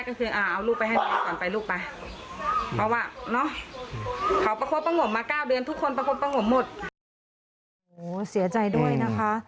โอ้โหเสียใจด้วยนะคะ